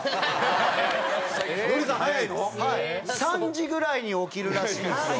３時ぐらいに起きるらしいんですよ。